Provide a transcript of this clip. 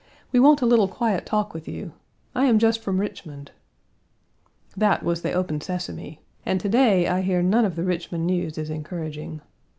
We want a little quiet talk with you. I am just from Richmond." That was the open sesame, and to day I hear none of the Richmond news is encouraging.